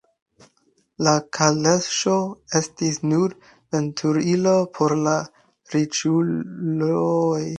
La kaleŝo estis nur veturilo por la riĉuloj.